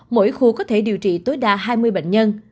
mỗi khu có thể điều trị tối đa hai mươi bệnh nhân